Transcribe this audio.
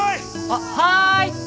あっはーい！